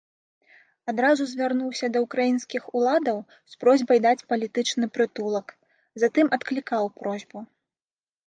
Адразу звярнуўся да ўкраінскіх уладаў з просьбай даць палітычны прытулак, затым адклікаў просьбу.